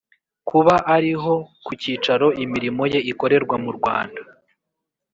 kuba ari ho ku cyicaro imirimo ye ikorerwa mu rwanda